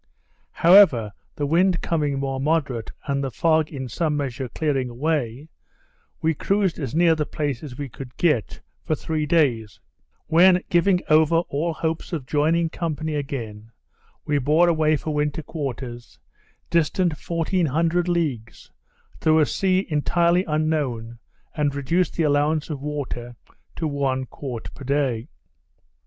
However, the wind coming more moderate, and the fog in some measure clearing away, we cruised as near the place as we could get, for three days; when giving over all hopes of joining company again, we bore away for winter quarters, distant fourteen hundred leagues, through a sea entirely unknown and reduced the allowance of water to one quart per day.